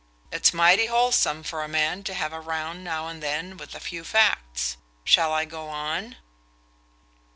It's mighty wholesome for a man to have a round now and then with a few facts. Shall I go on?"